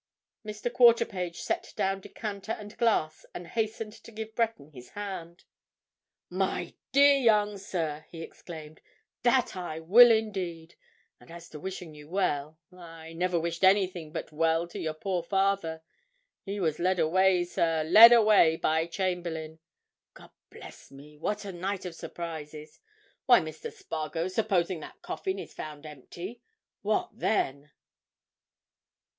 Mr. Quarterpage set down decanter and glass and hastened to give Breton his hand. "My dear young sir!" he exclaimed. "That I will indeed! And as to wishing you well—ah, I never wished anything but well to your poor father. He was led away, sir, led away by Chamberlayne. God bless me, what a night of surprises! Why, Mr. Spargo, supposing that coffin is found empty—what then?"